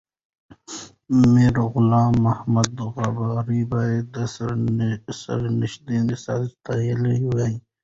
میرغلام محمد غبار باید سرښندنه ستایلې وای.